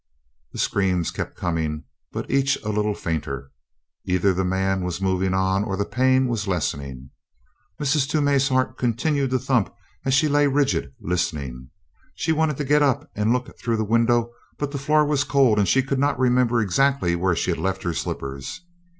The screams kept coming, but each a little fainter. Either the man was moving on or the pain was lessening. Mrs. Toomey's heart continued to thump as she lay rigid, listening. She wanted to get up and look through the window, but the floor was cold and she could not remember exactly where she had left her slippers.